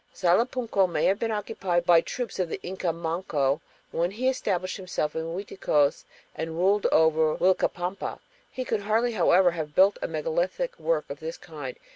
Salapunco may have been occupied by the troops of the Inca Manco when he established himself in Uiticos and ruled over Uilcapampa. He could hardly, however, have built a megalithic work of this kind.